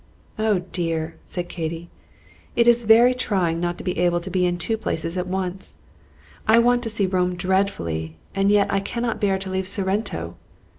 "Oh dear!" said Katy, "it is very trying not to be able to be in two places at once. I want to see Rome dreadfully, and yet I cannot bear to leave Sorrento.